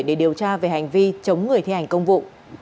để điều tra về hành vi chống người thi hành công vụ